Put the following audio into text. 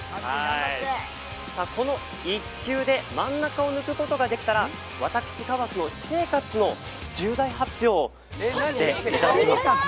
この一球で真ん中を抜くことができたら、私、川津の私生活の重大発表をさせていただきます。